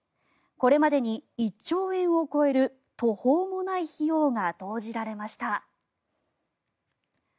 これまでに１兆円を超える途方もない費用が投じられました。